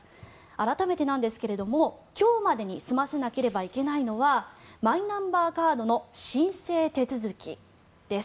改めてなんですが、今日までに済ませなければいけないのはマイナンバーカードの申請手続きです。